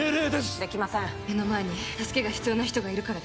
できません目の前に助けが必要な人がいるからです・